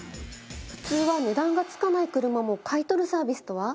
普通は値段がつかない車も買い取るサービスとは？